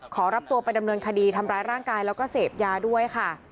ขอรับตัวไปดำเนินคดีทำร้ายร่างกายแล้วก็เสพยาด้วยค่ะ